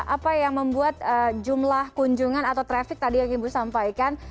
apa yang membuat jumlah kunjungan atau traffic tadi yang ibu sampaikan